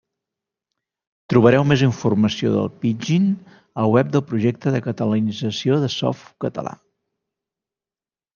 Trobareu més informació del Pidgin al web del projecte de catalanització de Softcatalà.